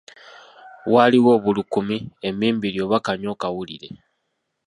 Waliwo obulukumi, emmimbiri oba kanyokawulire.